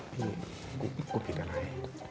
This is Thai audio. พี่พี่กูผิดอะไร